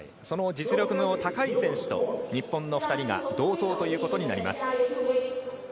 その実力の高い選手と日本の２人が同走となります。